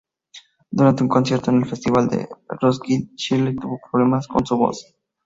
Durante un concierto en el Festival de Roskilde, Shirley tuvo problemas con su voz.